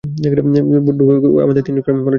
ডুবে ওকে আমাদের দলের তিনজনকে মারার চুক্তি দিয়েছে।